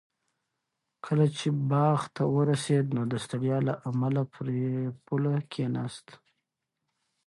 کله چې باغ ته ورسېد نو د ستړیا له امله پر پوله کېناست.